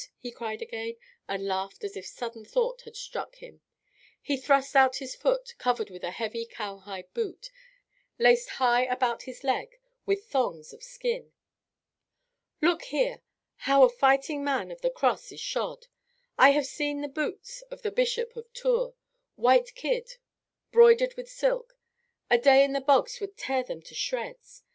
he cried again, and laughed as if a sudden thought had struck him. He thrust out his foot, covered with a heavy cowhide boot, laced high about his leg with thongs of skin. "Look here, how a fighting man of the cross is shod! I have seen the boots of the Bishop of Tours, white kid, broidered with silk; a day in the bogs would tear them to shreds.